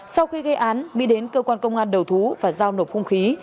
sau khi gây án mỹ đến cơ quan công an đầu thú và giao nộp không khí